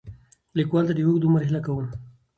لیکوال ته د اوږد عمر هیله کوو.